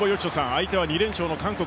相手は２連勝の韓国。